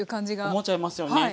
思っちゃいますよね。